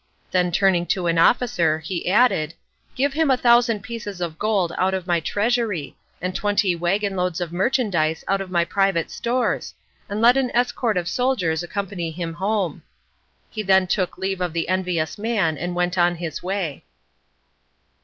Then turning to an officer, he added, "Give him a thousand pieces of gold out of my treasury, and twenty waggon loads of merchandise out of my private stores, and let an escort of soldiers accompany him home." He then took leave of the envious man, and went on his way.